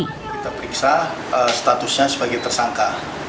kita periksa statusnya sebagai tersangka